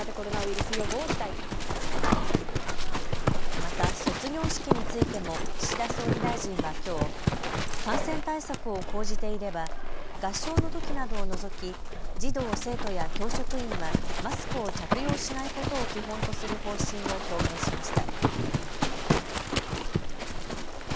また卒業式についても岸田総理大臣はきょう、感染対策を講じていれば合唱のときなどを除き児童・生徒や教職員はマスクを着用しないことを基本とする方針を表明しました。